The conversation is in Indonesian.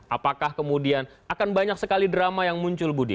apakah kemudian akan banyak sekali drama yang muncul budi